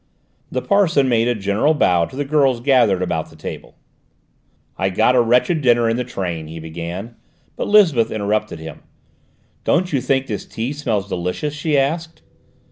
The parson made a general bow to the girls gathered about the table. "I got a wretched dinner in the train," he began, but Lisbeth interrupted him. "Don't you think this tea smells delicious?" she asked.